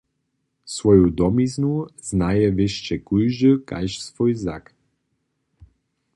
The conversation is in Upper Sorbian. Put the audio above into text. Swoju domiznu znaje wěsće kóždy kaž swój zak.